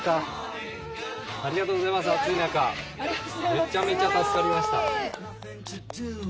めちゃめちゃ助かりました。